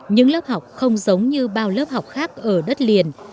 những lớp học không giống như bao lớp học khác ở đất liền